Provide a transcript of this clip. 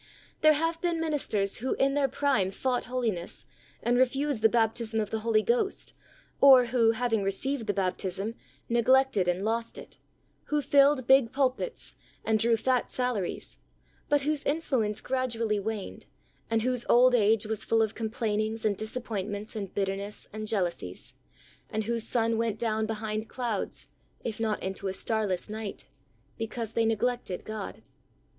There have been ministers who in their prime fought holiness and refused the baptism of the Holy Ghost, or who, hav ing received the baptism, neglected and lost it, who filled big pulpits and drew fat salaries, but whose influence gradually waned and whose old age was full of complainings and disappointments and bitterness and jealousies, and whose sun went down behind clouds, if not into a starless night, because they neglected God.